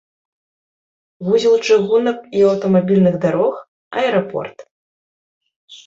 Вузел чыгунак і аўтамабільных дарог, аэрапорт.